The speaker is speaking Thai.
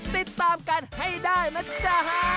ติดตามกันให้ได้นะจ๊ะ